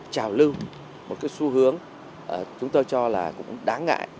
trào lưu một cái xu hướng chúng tôi cho là cũng đáng ngại